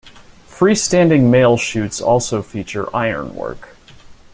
Freestanding mail-chutes also feature ironwork.